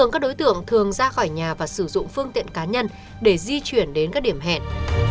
các đối tượng thường ra khỏi nhà và sử dụng phương tiện cá nhân để di chuyển đến các điểm hẹn